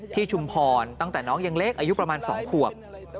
ชุมพรตั้งแต่น้องยังเล็กอายุประมาณ๒ขวบ